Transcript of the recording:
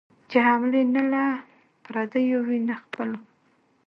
چي حملې نه له پردیو وي نه خپلو